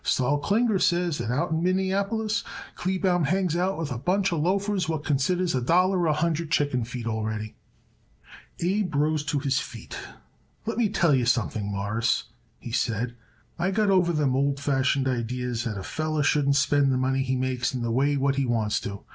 Sol Klinger says that out in Minneapolis Kleebaum hangs out with a bunch of loafers what considers a dollar a hundred chicken feed already." Abe rose to his feet. "Let me tell you something, Mawruss," he said. "I got over them old fashioned idees that a feller shouldn't spend the money he makes in the way what he wants to.